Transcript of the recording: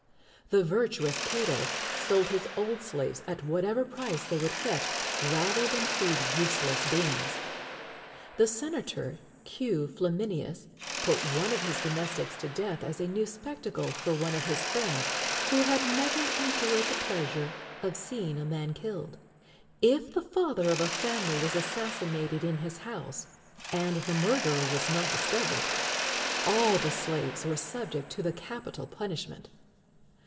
[XX 98] The virtuous Cato sold his old slaves at whatever price they would fetch, rather than feed useless beings.[XX 99] The senator, Q. Flaminius, put one of his domestics to death as a new spectacle for one of his friends, who had never enjoyed the pleasure of seeing a man killed.[XX 100] If the father of a family was assassinated in his house, and the murderer was not discovered, all the slaves were subject to the capital punishment.